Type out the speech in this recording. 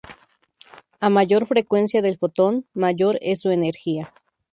A mayor frecuencia del fotón, mayor es su energía.